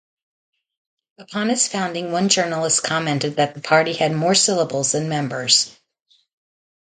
Upon its founding one journalist commented that the party had more syllables then members.